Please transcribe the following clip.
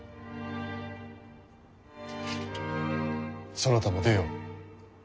そなたも出よ。